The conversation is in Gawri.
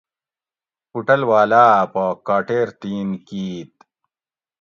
اوٹل واۤلاۤ اۤ پا کاٹیر تِین کِیت